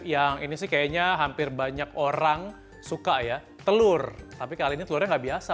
yang ini sih kayaknya hampir banyak orang suka ya telur tapi kali ini telurnya nggak biasa